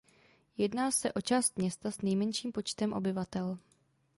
Jedná se o část města s nejmenším počtem obyvatel.